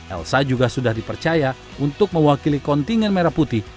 elsa juga sudah dipercaya untuk mewakili kontingen merah putih